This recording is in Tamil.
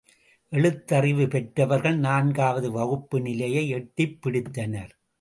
எழுத்தறிவு பெற்றவர்கள் நான்காவது வகுப்பு நிலையை எட்டிப் பிடித்தனர்.